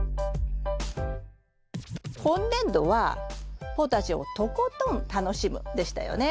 今年度は「ポタジェをとことん楽しむ」でしたよね。